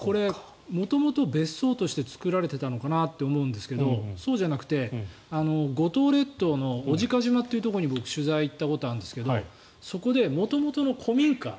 元々別荘として作られていたのかなと思いますがそうじゃなくて五島列島に僕、取材に行ったことがあるんですがそこで元々の古民家